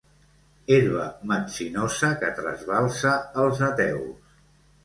Herba metzinosa que trasbalsa els ateus.